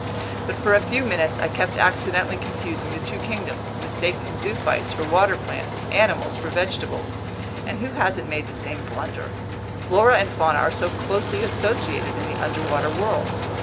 But for a few minutes I kept accidentally confusing the two kingdoms, mistaking zoophytes for water plants, animals for vegetables. And who hasn't made the same blunder? Flora and fauna are so closely associated in the underwater world!